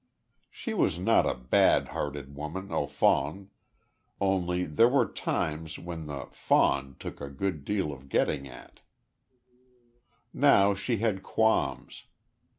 She was not a bad hearted woman au fond, only there were times when the "fond" took a good deal of getting at. Now she had qualms.